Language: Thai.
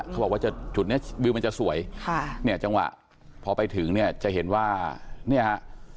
เขาบอกว่าจุดเนี้ยวิวมันจะสวยค่ะเนี่ยจังหวะพอไปถึงเนี่ยจะเห็นว่าเนี่ยฮะ